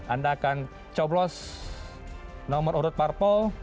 anda akan coplos nomor urut purple